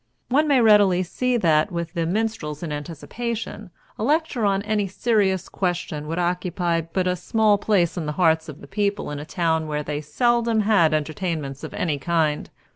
One may readily see that, with the minstrels in anticipation, a lecture on any serious question would occupy but a small place in the hearts of the people in a town where they seldom had entertainments of any kind.